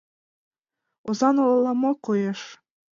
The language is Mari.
Озаҥ олала мо коеш?